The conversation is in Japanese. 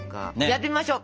やってみましょう！